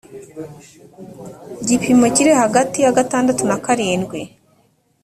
gipimo kiri hagati ya gatandatu na karindwi